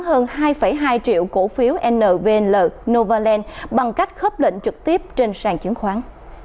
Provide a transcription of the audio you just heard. hơn hai hai triệu cổ phiếu nvl novaland bằng cách khớp lệnh trực tiếp trên sàn chứng khoán